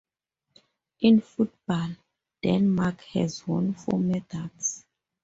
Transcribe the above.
In football Denmark has won four medals.